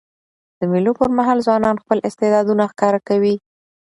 د مېلو پر مهال ځوانان خپل استعدادونه ښکاره کوي.